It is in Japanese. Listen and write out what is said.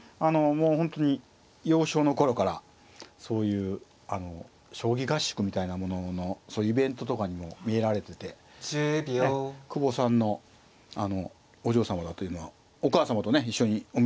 もう本当に幼少の頃からそういう将棋合宿みたいなもののイベントとかにも見えられてて久保さんのお嬢様だというのはお母様とね一緒にお見えになってたので。